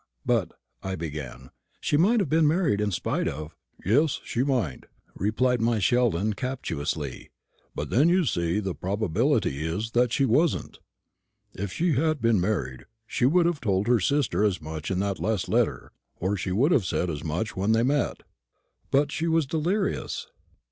"But," I began, "she might have been married, in spite of " "Yes, she might," replied my Sheldon, captiously; "but then, you see, the probability is that she wasn't. If she had been married, she would have told her sister as much in that last letter, or she would have said as much when they met." "But she was delirious."